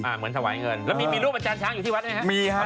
เหมือนถวายเงินแล้วมีรูปจานช้างอยู่ที่วัดไหมฮะ